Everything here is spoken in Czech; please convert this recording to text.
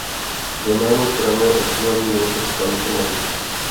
Doménu spravuje oddělení Ministerstva informatiky.